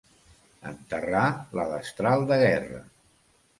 Enterrar la destral de guerra.